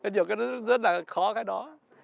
nhiều cái đó rất là khó cái đó